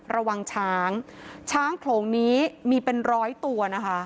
ระวังช้างช้างโครงนี้มีเป็น๑๐๐ตัว